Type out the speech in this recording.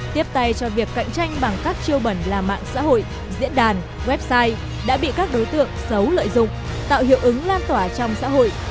tiếp tay cho việc cạnh tranh bằng các chiêu bẩn là mạng xã hội diễn đàn website đã bị các đối tượng xấu lợi dụng tạo hiệu ứng lan tỏa trong xã hội